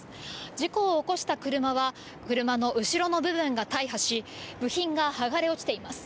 事故を起こした車は、車の後ろの部分が大破し、部品が剥がれ落ちています。